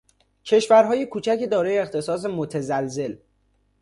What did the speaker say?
کشورهای کوچک دارای اقتصاد متزلزل